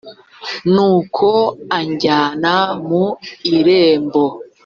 nuko anjyana mu irembo